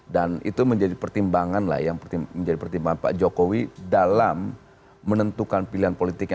dan itu menjadi pertimbangan lah yang menjadi pertimbangan pak jokowi dalam menentukan pilihan politiknya